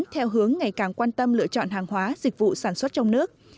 theo hướng ngày càng quan tâm lựa chọn hàng hóa dịch vụ sản xuất trong nước